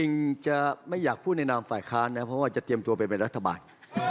จริงจะไม่อยากพูดในนามฝ่ายค้านนะเพราะว่าจะเตรียมตัวไปเป็นรัฐบาล